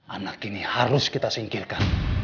anak ini harus kita singkirkan